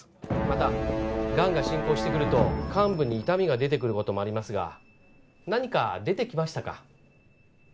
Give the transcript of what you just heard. またがんが進行してくると患部に痛みが出てくる事もありますが何か出てきましたか？